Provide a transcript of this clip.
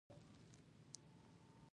لمسی د مور ژبه زده کوي.